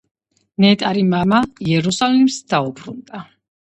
ნეტარი მამა იერუსალიმს დაუბრუნდა.